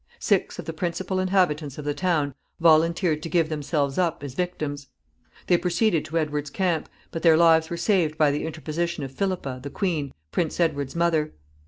Six of the principal inhabitants of the town volunteered to give themselves up as victims. They proceeded to Edward's camp, but their lives were saved by the interposition of Philippa, the queen, Prince Edward's mother.